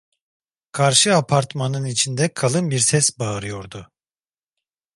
Karşı apartmanın içinde kalın bir ses bağırıyordu.